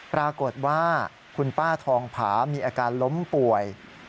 ปรากฏว่าคุณป้าทองผามีอาการล้มป่วย